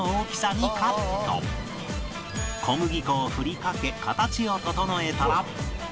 小麦粉をふりかけ形を整えたら